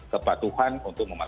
ke potohan untuk mencuci